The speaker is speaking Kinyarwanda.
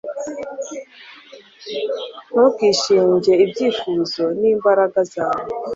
ntukishinge ibyifuzo n'imbaraga zawe